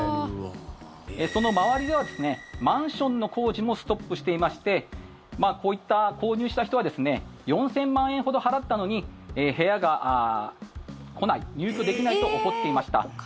その周りはマンションの工事もストップしていましてこういった、購入した人は４０００万円ほど払ったのに部屋が来ない入居できないと怒っていました。